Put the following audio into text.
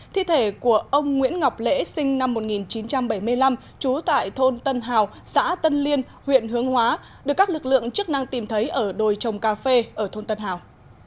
thi thể của ông nguyễn ngọc lễ sinh năm một nghìn chín trăm bảy mươi năm trú tại thôn tân hào xã tân liên huyện hướng hóa được các lực lượng chức năng tìm thấy ở đồi trồng cà phê ở thôn tân hào